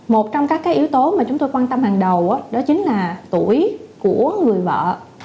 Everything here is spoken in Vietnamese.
một trong các yếu tố mà chúng tôi quan tâm hàng đầu đó chính là tuổi của người vợ